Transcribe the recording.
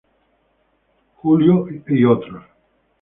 Julio et al.